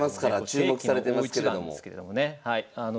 注目されてますけれども。